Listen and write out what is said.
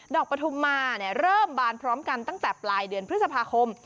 ปฐุมมาเริ่มบานพร้อมกันตั้งแต่ปลายเดือนพฤษภาคม